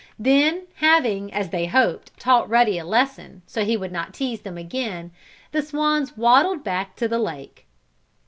Then, having, as they hoped, taught Ruddy a lesson, so he would not tease them again, the swans waddled back to the lake.